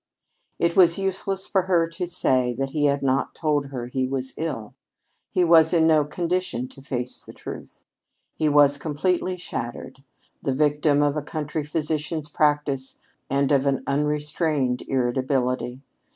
It was useless for her to say that he had not told her he was ill. He was in no condition to face the truth. He was completely shattered the victim of a country physician's practice and of an unrestrained irritability.